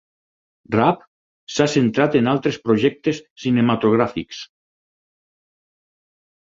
Raab s'ha centrat en altres projectes cinematogràfics.